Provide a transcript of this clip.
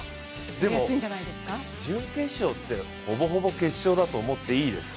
でも準決勝って、ほぼほぼ決勝だと思っていいです。